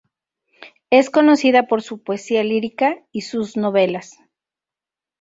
Es conocida por su poesía lírica y sus novela.